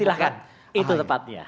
silahkan itu tepatnya